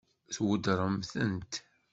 Tweddṛemt-tent?